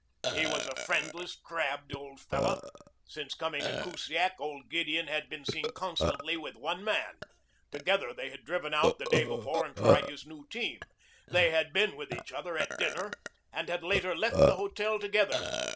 He was a friendless, crabbed old fellow. Since coming to Kusiak old Gideon had been seen constantly with one man. Together they had driven out the day before and tried his new team. They had been with each other at dinner and had later left the hotel together.